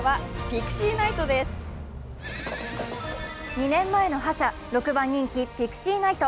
２年前の覇者、６番人気ピクシーナイト。